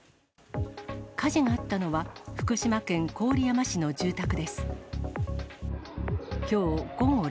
火事があったのは、福島県郡山市の住宅です。